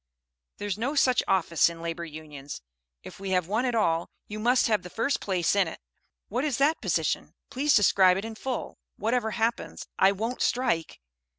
"There's no such office in Labor Unions. If we have one at all, you must have the first place in it." "What is that position? Please describe it in full. Whatever happens, I won't strike."